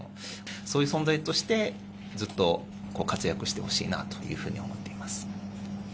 そういう存在としてずっと活躍してほしいなというふうに思っています。